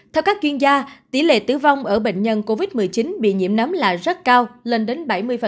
theo các chuyên gia tỷ lệ tử vong ở bệnh nhân covid một mươi chín bị nhiễm nấm lại rất cao lên đến bảy mươi